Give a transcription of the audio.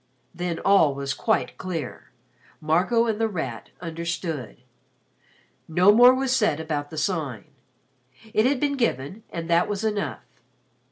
Then all was quite clear. Marco and The Rat understood. No more was said about the Sign. It had been given and that was enough.